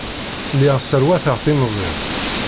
Lliɣ sserwateɣ timẓin.